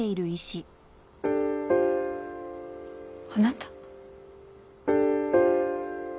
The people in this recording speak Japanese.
あなた。